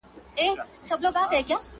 څه دي زده نه کړه د ژوند په مدرسه کي.